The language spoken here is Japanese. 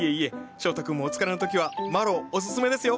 翔太くんもお疲れの時はマロウおすすめですよ。